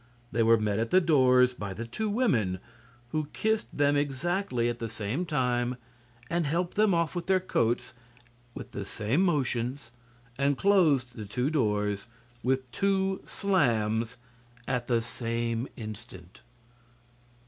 They were met at the doors by the two women, who kissed them exactly at the same time and helped them off with their coats with the same motions, and closed the two doors with two slams at the same instant.